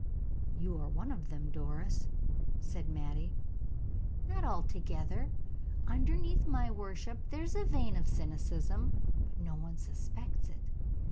"You are one of them, Doris," said Mattie. "Not altogether. Underneath my worship there is a vein of cynicism, but no one suspects it.